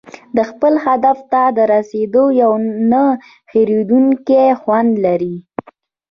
د خپل هدف ته رسېدل یو نه هېریدونکی خوند لري.